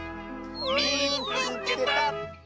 「みいつけた！」。